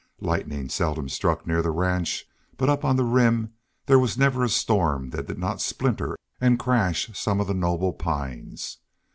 Lightning seldom struck near the ranch, but up on the Rim there was never a storm that did not splinter and crash some of the noble pines.